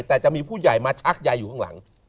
แต่จะมีผู้ใหญ่มาชักยายอยู่ข้างหลัง